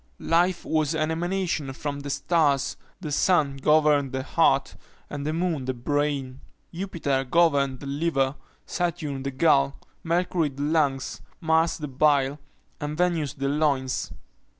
Life was an emanation from the stars the sun governed the heart, and the moon the brain. Jupiter governed the liver, Saturn the gall, Mercury the lungs, Mars the bile, and Venus the loins.